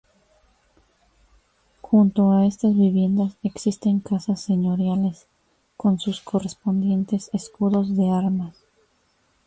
Junto a estas viviendas existen casas señoriales con sus correspondientes escudos de armas.